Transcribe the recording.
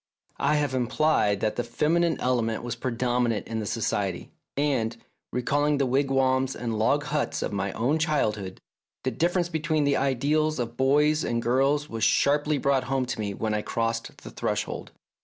I have implied that the feminine element was predominant in the Society, and, recalling the wigwams and log huts of my own childhood, the differ ence between the ideals of boys and girls was sharply brought home to me when I crossed the threshold.